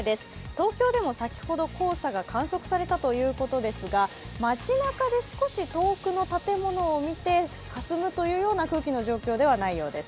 東京でも先ほど黄砂が観測されたということですが街なかで少し遠くの建物を見てかすむというような空気の状況ではないようです。